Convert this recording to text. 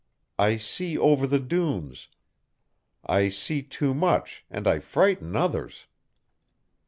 I see over the dunes. I see too much, and I frighten others."